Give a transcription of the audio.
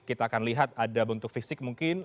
kita akan lihat ada bentuk fisik mungkin